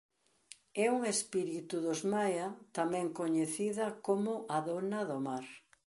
É un espírito dos Maia tamén coñecida como "a dona do mar".